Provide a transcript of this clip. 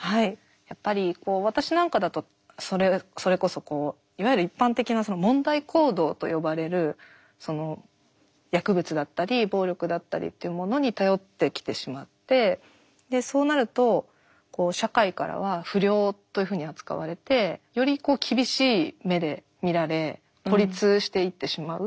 やっぱり私なんかだとそれこそいわゆる一般的な問題行動と呼ばれる薬物だったり暴力だったりっていうものに頼ってきてしまってそうなると社会からは不良というふうに扱われてより厳しい目で見られ孤立していってしまう。